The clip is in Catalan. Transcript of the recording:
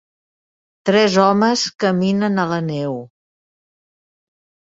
tres homes caminen a la neu.